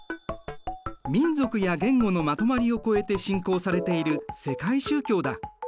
民族や言語のまとまりを超えて信仰されている世界宗教だ。